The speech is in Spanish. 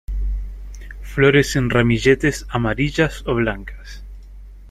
Flores en ramilletes, amarillas o blancas.